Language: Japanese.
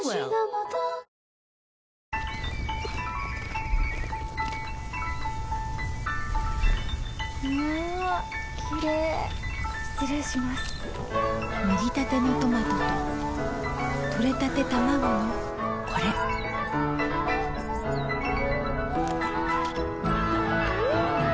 もぎたてのトマトととれたてたまごのこれん！